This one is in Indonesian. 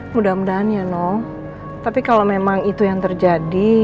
mudah mudahan ya nong tapi kalau memang itu yang terjadi